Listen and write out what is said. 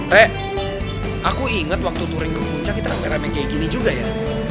re aku inget waktu touring ke puncak kita gak merah main kayak gini juga ya